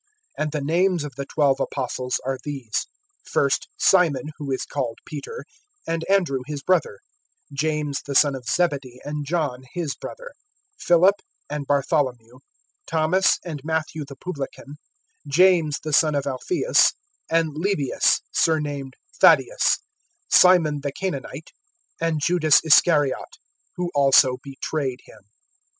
(2)And the names of the twelve apostles are these; first Simon, who is called Peter, and Andrew his brother; James the son of Zebedee, and John his brother; (3)Philip, and Bartholomew; Thomas, and Matthew the publican; James the son of Alpheus, and Lebbeus surnamed Thaddeus; (4)Simon the Cananite[10:4], and Judas Iscariot, who also betrayed him.